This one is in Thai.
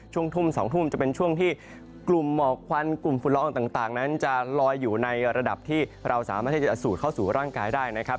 ช่วงทุ่ม๒ทุ่มจะเป็นช่วงที่กลุ่มหมอกควันกลุ่มฝุ่นละอองต่างนั้นจะลอยอยู่ในระดับที่เราสามารถที่จะสูดเข้าสู่ร่างกายได้นะครับ